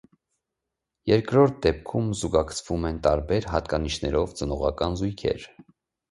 Երկրորդ դեպքում զուգակցվում են տարբեր հատկանիշներով ծնողական զույգեր։